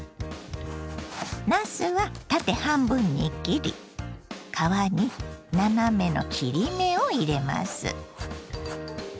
なすは縦半分に切り皮に斜めの切り目を入れます。